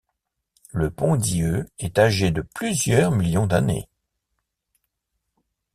Le pont d'Yeu est âgé de plusieurs millions d'années.